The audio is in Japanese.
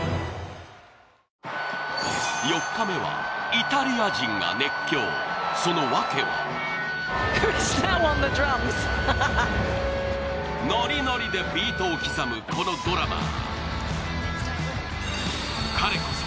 ４日目はイタリア人が熱狂、そのわけはノリノリでビートを刻むこのドラマー。